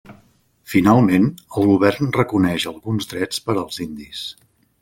Finalment, el govern reconeix alguns drets per als indis.